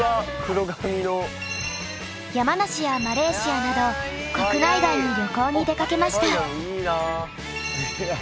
山梨やマレーシアなど国内外に旅行に出かけました。